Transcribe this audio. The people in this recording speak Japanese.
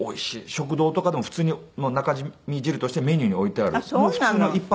食堂とかでも普通に中身汁としてメニューに置いてある。